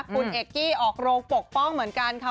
คุณเอกกี้ออกโรงปกป้องเหมือนกันค่ะ